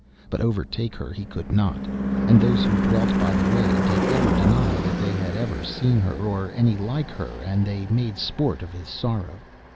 But overtake her he could not, and those who dwelt by the way did ever deny that they had seen her, or any like to her, and they made sport of his sorrow.